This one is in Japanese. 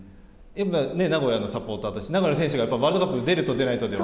名古屋のサポーターとして名古屋の選手がワールドカップに出ると出ないでは。